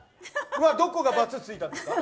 どこがバツついたんですか。